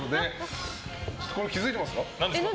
これ、気づいていますか？